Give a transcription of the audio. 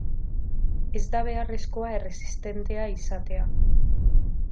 Ez da beharrezkoa erresistentea izatea.